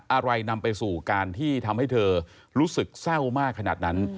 อะไรนำไปสู่การที่ทำให้เธอรู้สึกเศร้ามากขนาดนั้น